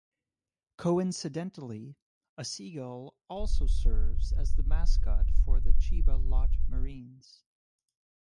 Coincidentally, a seagull also serves as the mascot for the Chiba Lotte Marines.